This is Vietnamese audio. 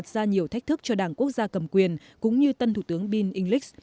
một quốc gia cầm quyền cũng như tân thủ tướng bill english